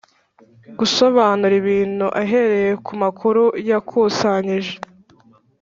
gusobanura ibintu ahereye ku makuru yakusanyije.